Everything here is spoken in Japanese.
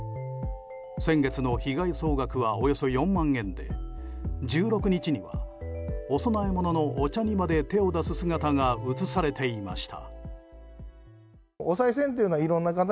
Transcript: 先月の被害総額はおよそ４万円で１６日には、お供え物のお茶にまで手を出す姿が映されていました。